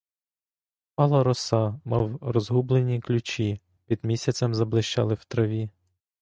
Впала роса, мов розгублені ключі під місяцем заблищали в траві.